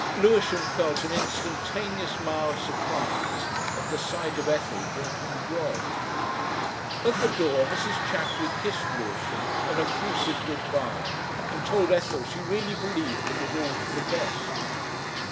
Lewisham felt an instantaneous mild surprise at the sight of Ethel drinking grog. At the door Mrs. Chaffery kissed Lewisham an effusive good bye, and told Ethel she really believed it was all for the best.